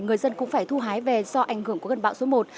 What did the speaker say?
người dân cũng phải thu hái về do ảnh hưởng của cơn bão số một